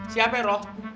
siapa ya roh